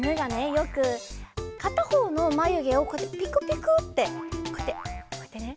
よくかたほうのまゆげをこうやってピクピクッてこうやってこうやってね。